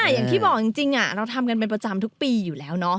อย่างที่บอกจริงเราทำกันเป็นประจำทุกปีอยู่แล้วเนาะ